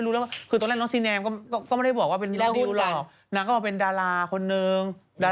เรื่องล้านเลฟเรื่องอะไรไม่รู้ตอนแรกนางเซียดาลานังร้าย